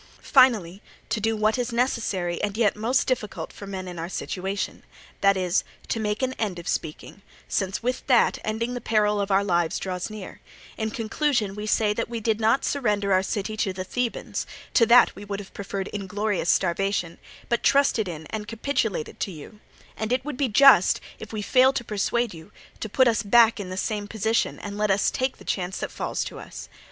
Finally, to do what is necessary and yet most difficult for men in our situation—that is, to make an end of speaking, since with that ending the peril of our lives draws near—in conclusion we say that we did not surrender our city to the Thebans (to that we would have preferred inglorious starvation), but trusted in and capitulated to you; and it would be just, if we fail to persuade you, to put us back in the same position and let us take the chance that falls to us.